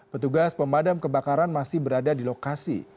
petugas pemadam kebakaran masih berada di lokasi